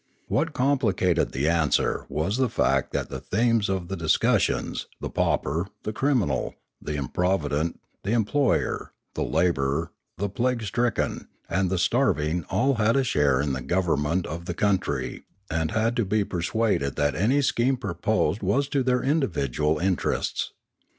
What complicated the answer was the fact that the themes of the discus sions, the pauper, the criminal, the improvident, the employer, the labourer, the plague stricken, and the starving had all a share in the government of the coun try, and had to be persuaded that any scheme proposed was to their individual interests.